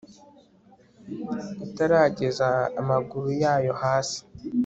itarageza amaguru yayo hasi